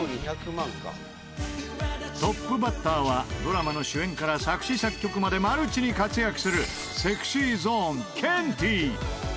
トップバッターはドラマの主演から作詞作曲までマルチに活躍するＳｅｘｙＺｏｎｅケンティー。